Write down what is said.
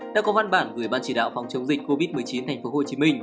đã có văn bản gửi ban chỉ đạo phòng chống dịch covid một mươi chín tp hcm